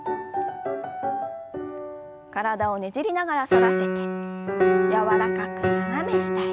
体をねじりながら反らせて柔らかく斜め下へ。